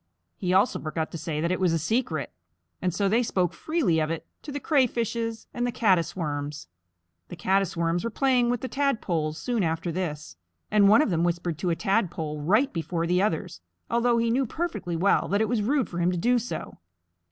He also forgot to say that it was a secret, and so they spoke freely of it to the Crayfishes and the Caddis Worms. The Caddis Worms were playing with the Tadpoles soon after this, and one of them whispered to a Tadpole right before the others, although he knew perfectly well that it was rude for him to do so.